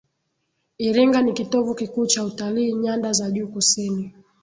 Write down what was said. iringa ni kitovu kikuu cha utalii nyanda za juu kusini